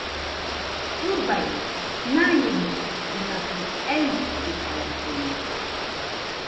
ɨbai, naiemo imakɨ eikɨtaillena